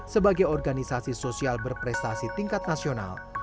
sebagai organisasi sosial berprestasi tingkat nasional